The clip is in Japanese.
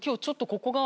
ここが。